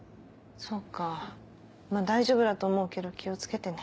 そっかまぁ大丈夫だと思うけど気を付けてね。